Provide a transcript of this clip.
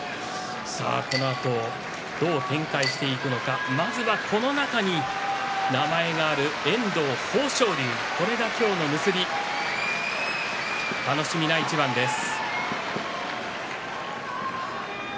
このあとどう展開していくのかまずはこの中に名前がある遠藤、豊昇龍、これが今日の結び楽しみな一番です。